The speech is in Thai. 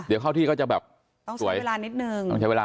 เดี๋ยวเข้าที่ก็จะแบบต้องใช้เวลานิดหนึ่ง